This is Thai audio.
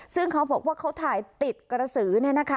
ซึ่งเขาบอกว่าเขาถ่ายติดกระสือ